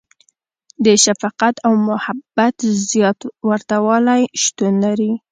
• د شفقت او محبت زیات ورتهوالی شتون لري.